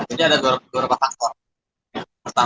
jadi kita sudah total kebasan euskadi dengan kejaksaan